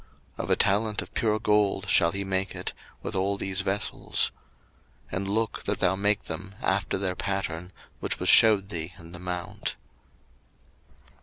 02:025:039 Of a talent of pure gold shall he make it, with all these vessels. 02:025:040 And look that thou make them after their pattern, which was shewed thee in the mount.